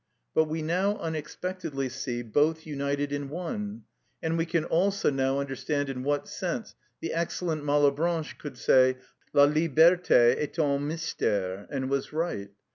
But we now unexpectedly see both united in one, and we can also now understand in what sense the excellent Malebranche could say, "La liberté est un mystère," and was right.